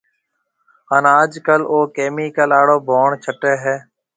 هانَ آج ڪل او ڪَمِيڪل آݪو ڀوڻ ڇٽيَ هيَ۔